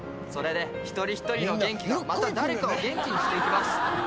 それで一人一人の元気がまた誰かを元気にしていきます。